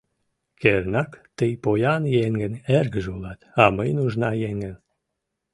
Кернак, тый поян еҥын эргыже улат, а мый — нужна еҥын.